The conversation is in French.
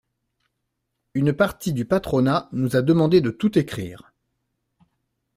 Une partie du patronat nous a demandé de tout écrire.